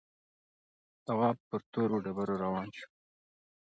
تواب پر تورو ډبرو روان شو.